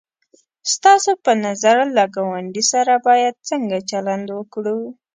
ستاسو په نظر له گاونډي سره باید څنگه چلند وکړو؟